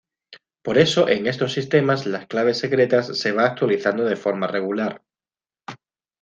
Por eso en estos sistemas las claves secretas se va actualizando de forma regular.